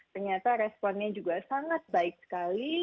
ternyata responnya juga sangat baik sekali